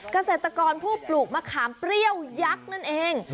เกษตรกรผู้ปลูกมะขามเปรี้ยวยักษ์นั่นเอง